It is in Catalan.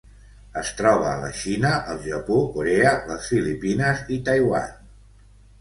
Es troba a la Xina, el Japó, Corea, les Filipines i Taiwan.